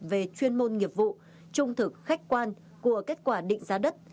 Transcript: về chuyên môn nghiệp vụ trung thực khách quan của kết quả định giá đất